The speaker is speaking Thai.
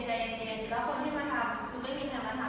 แล้วคนที่มาทำคุณไม่มีใครมาถาม